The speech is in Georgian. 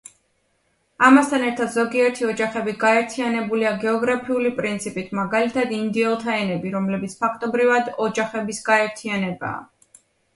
ამასთან ერთად, ზოგიერთი ოჯახები გაერთიანებულია გეოგრაფიული პრინციპით, მაგალითად „ინდიელთა ენები“, რომელიც ფაქტობრივად ოჯახების გაერთიანებაა.